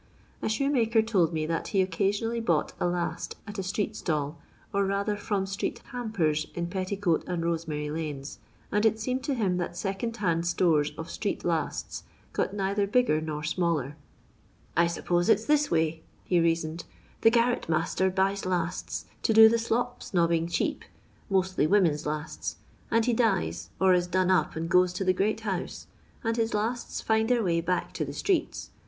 A shoenmker told me that he occasionally bought a last at a street stall, or rather from street hampers in Petticoat and Bosemary huies, and it •eanied to him that second hand stores of street lasts got neither bigger nor smaller :*' I suppose it's this way," he reasoned; "the sarret master buys bsts to do the slop snobbing cheap, mostly women's lasts, and he dies or is done up and goes to the "great house," and his lasts find their way baek to the streets.